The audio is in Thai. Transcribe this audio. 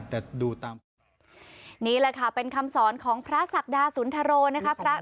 แต่ดูตามนี่แหละค่ะเป็นคำสอนของพระศักดาสุนทโรนะคะ